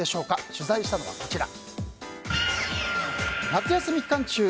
取材したのは、こちら。